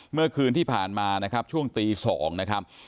เมื่อคืนที่ผ่านมานะครับช่วงตี๒นะครับ